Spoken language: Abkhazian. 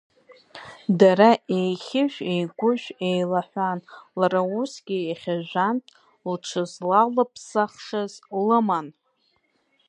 Дара еихьыжә-еикәыжә еилаҳәан, лара усгьы иахьа жәантә лҽызлалыԥсахшаз лыман.